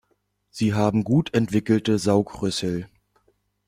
Sie haben gut entwickelte Saugrüssel.